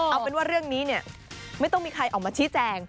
เอาเป็นว่าเรื่องนี้เนี่ยไม่ต้องมีใครออกมาชี้แจง